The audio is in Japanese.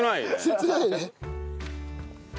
切ないね。